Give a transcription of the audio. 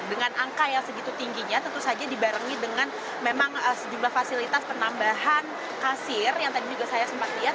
dengan angka yang segitu tingginya tentu saja dibarengi dengan memang sejumlah fasilitas penambahan kasir yang tadi juga saya sempat lihat